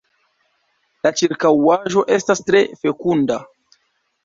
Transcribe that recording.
La ĉirkaŭaĵo estas tre fekunda.